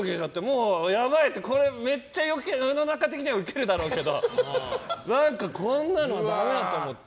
もうやばい！ってめっちゃ世の中的にはウケるだろうけど何かこんなのダメだと思って。